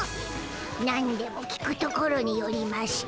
なんでも聞くところによりましゅと。